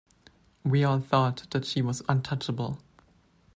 We all thought that she was untouchable.